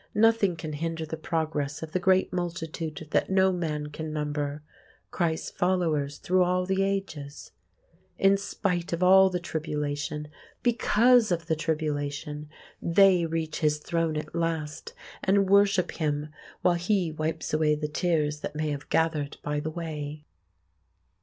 Nothing can hinder the progress of the great multitude that no man can number—Christ's followers through all the ages. In spite of all the tribulation—because of the tribulation—they reach His throne at last, and worship Him, while He wipes away the tears that may have gathered by the way.